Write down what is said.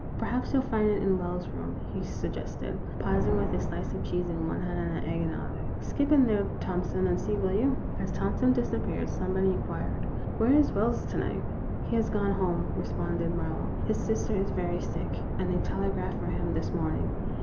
Perhaps you '11 find it in Wells's room," he sug gested, pausing with a slice of cheese in one hand, and an egg in the other. " Skip in there, Thomp son, and see, will you ?" As Thompson disappeared, somebody inquired, " Where is Wells to night ?" THE ROMANCE OF A SPOON. 191 " He has gone home," responded Marlowe. " His sister is very sick, and they telegraphed for him this morning."